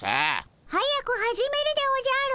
早く始めるでおじゃる。